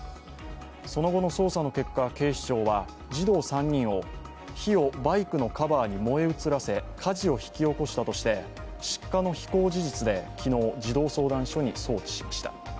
その後の捜査の結果、警視庁は児童３人を火をバイクのカバーに燃え移らせ火事を引き起こしたとして失火の非行事実で昨日、児童相談所に送致しました。